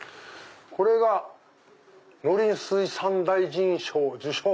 これが農林水産大臣賞受賞。